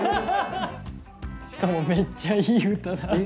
しかもめっちゃいい歌だ。